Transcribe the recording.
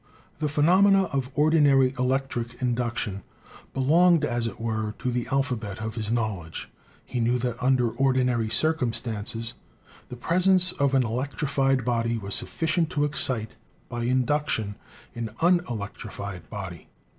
The phenomena of ordinary elec tric induction belonged, as it were, to the alphabet of his knowledge: he knew that under ordinary circumstances the presence of an electrified body was sufficient to excite, by induction, an unelectrified body.